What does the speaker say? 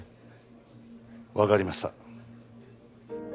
わかりました。